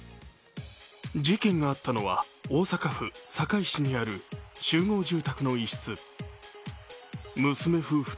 事件があったのは大阪府堺市にある集合住宅の一室。